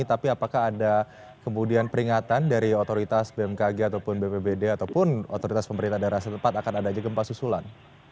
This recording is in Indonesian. tapi apakah ada kemudian peringatan dari otoritas bmkg ataupun bpbd ataupun otoritas pemerintah daerah setempat akan ada aja gempa susulan